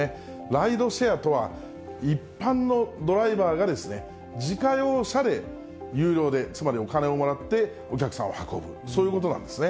ライドシェアとは、一般のドライバーが、自家用車で有料で、つまりお金をもらってお客さんを運ぶ、そういうことなんですね。